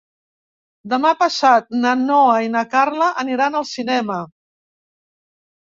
Demà passat na Noa i na Carla aniran al cinema.